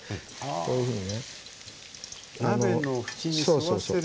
こういうふうに。